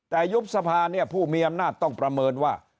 แต่ยุบสภาเนี่ยผู้มีอำนาจต้องประเมินว่า